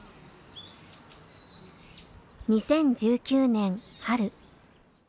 ２０１９年春。